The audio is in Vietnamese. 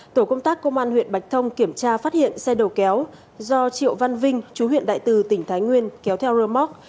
tổ công tác công an huyện bạch thông kiểm tra phát hiện xe đầu kéo do triệu văn vinh chú huyện đại từ tỉnh thái nguyên kéo theo rơ móc